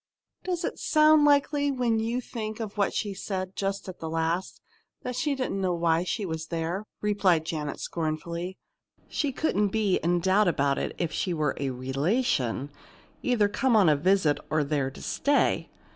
"Does it sound likely when you think what she said just at the last that she didn't know why she was there?" replied Janet, scornfully. "She couldn't be in doubt about it if she were a relation, either come on a visit or there to stay!"